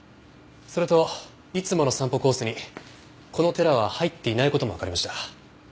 それといつもの散歩コースにこの寺は入っていない事もわかりました。